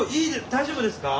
大丈夫ですか？